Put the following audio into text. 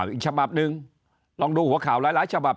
อีกฉบับหนึ่งลองดูหัวข่าวหลายฉบับ